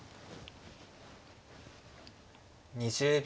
２０秒。